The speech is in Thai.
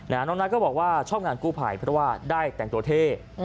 น้องนัทก็บอกว่าชอบงานกู้ภัยเพราะว่าได้แต่งตัวเท่